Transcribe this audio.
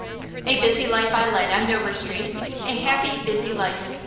A busy life I led, on Dover Street; a happy, busy life.